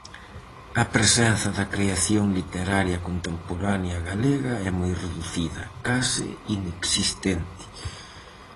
A presenza da creación literaria contemporánea galega é moi reducida, case inexistente.